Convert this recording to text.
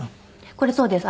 これそうです。